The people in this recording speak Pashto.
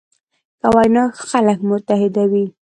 ښه وینا خلک متحدوي.